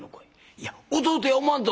「いや弟や思わんと」。